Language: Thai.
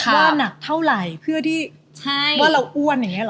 ว่านักเท่าไหร่เพื่อที่ว่าเราอ้วนอย่างนี้หรอ